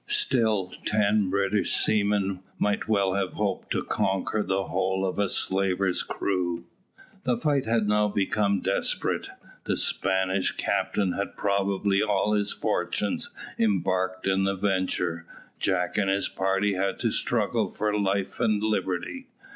Still ten British seamen might well have hoped to conquer the whole of a slaver's crew. The fight had now become desperate. The Spanish captain had probably all his fortune embarked in the venture, Jack and his party had to struggle for life and liberty.